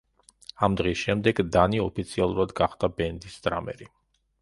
ამ დღის შემდეგ, დანი ოფიციალურად გახდა ბენდის დრამერი.